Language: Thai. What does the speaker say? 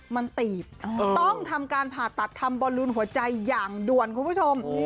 มันตีบต้องทำการผ่าตัดทำบอลลูนหัวใจอย่างด่วนคุณผู้ชม